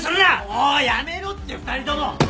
もうやめろって２人とも！